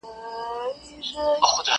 هرڅه بدل دي، د زمان رنګونه واوښتله٫